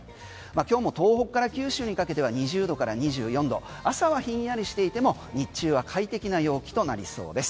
今日も東北から九州にかけては２０度から２４度朝はひんやりしていても日中は快適な陽気となりそうです。